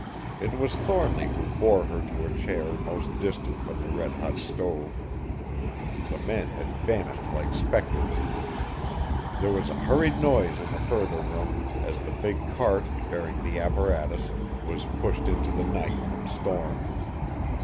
It was Thornly who bore her to a chair most distant from the red hot stove. The men had vanished like spectres. There was a hurried noise in the further room, as the big cart, bearing the apparatus, was pushed into the night and storm.